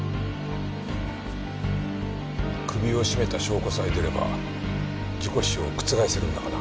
首を絞めた証拠さえ出れば事故死を覆せるんだがな。